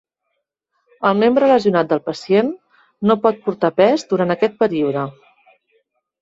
El membre lesionat del pacient no pot portar pes durant aquest període.